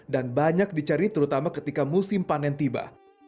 dan banyak dicari terutama ketika musim panen tiba